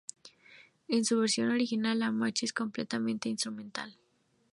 En su versión original, la marcha es completamente instrumental.